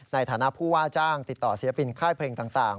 ในฐานะผู้ว่าจ้างติดต่อศิลปินค่ายเพลงต่าง